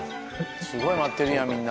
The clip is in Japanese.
すごい待ってるやんみんな。